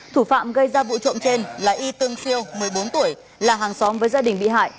thủ phạm gây ra vụ trộm trên là y tương siêu một mươi bốn tuổi là hàng xóm với gia đình bị hại